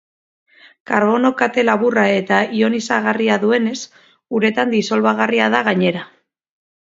Karbono kate laburra eta ionizagarria duenez, uretan disolbagarria da gainera.